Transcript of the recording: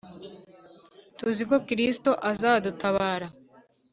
tuzi ko Kristo azadutabara